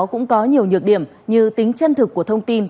cũng có nhiều nhược điểm như tính chân thực của thông tin